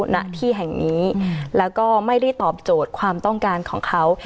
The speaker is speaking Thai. ณที่แห่งนี้แล้วก็ไม่ได้ตอบโจทย์ความต้องการของเขา